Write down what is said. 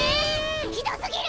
ひどすぎる！